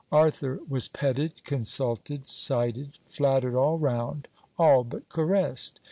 Arthur was petted, consulted, cited, flattered all round; all but caressed.